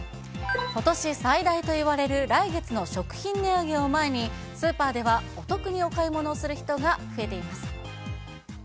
ことし最大といわれる来月の食品値上げを前に、スーパーではお得にお買い物をする人が増えています。